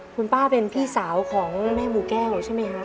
คุณป้าเป็นพี่สาวของแม่หมู่แก้วใช่ไหมครับ